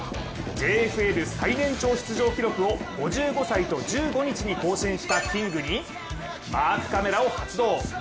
ＪＦＬ最年長出場記録を５５歳と１５日に更新したキングにマークカメラを発動。